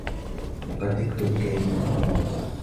لقد ثقت بك يا سامي.